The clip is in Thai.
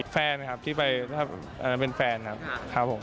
แฟนครับที่ไปเป็นแฟนครับครับผม